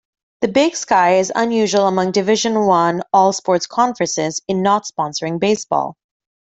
The Big Sky is unusual among Division I all-sports conferences in not sponsoring baseball.